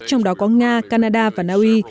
trong đó có nga canada và naui